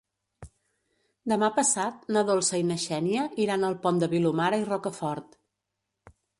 Demà passat na Dolça i na Xènia iran al Pont de Vilomara i Rocafort.